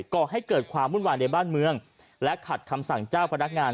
ก่อให้เกิดความวุ่นวายในบ้านเมืองและขัดคำสั่งเจ้าพนักงาน